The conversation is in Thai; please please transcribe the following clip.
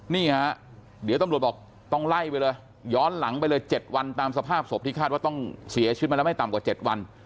นี่ฮะเดี๋ยวตำรวจบอกต้องไล่ไปเลยย้อนหลังไปเลย๗วันตามสภาพศพที่คาดว่าต้องเสียชีวิตมาแล้วไม่ต่ำกว่า๗วัน